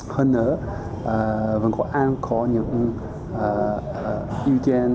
hơn nữa vương quốc anh có những ưu tiên